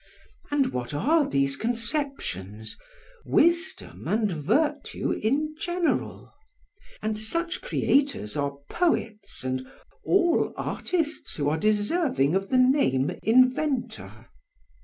And what are these conceptions? wisdom and virtue in general. And such creators are poets and all artists who are deserving of the name inventor.